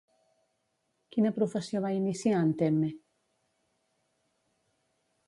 Quina professió va iniciar en Temme?